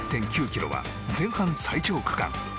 ３区、１１．９ｋｍは前半最長区間。